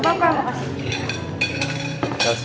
tidak apa apa terima kasih